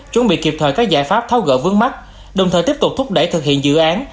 chuẩn bị kịp thời các giải pháp tháo gỡ vướng mắt đồng thời tiếp tục thúc đẩy thực hiện dự án